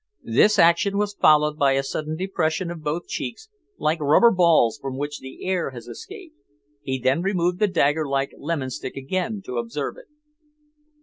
This action was followed by a sudden depression of both cheeks, like rubber balls from which the air has escaped. He then removed the dagger like lemon stick again to observe it.